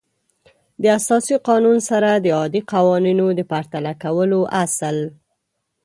د اساسي قانون سره د عادي قوانینو د پرتله کولو اصل